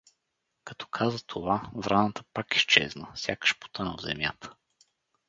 Като каза това, враната пак изчезна, сякаш потъна в земята.